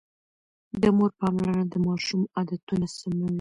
د مور پاملرنه د ماشوم عادتونه سموي.